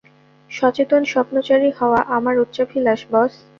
সচেতন স্বপ্নচারী হওয়া আমার উচ্চাভিলাষ, বস্।